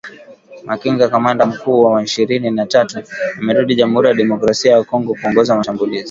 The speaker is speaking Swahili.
Makenga kamanda mkuu wa M ishirini na tatu amerudi Jamuhuri ya Demokrasia ya Kongo kuongoza mashambulizi